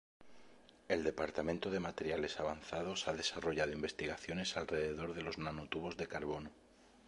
El departamento de materiales avanzados ha desarrollado investigaciones alrededor del los nanotubos de carbono.